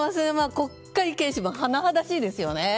国会軽視も甚だしいですよね。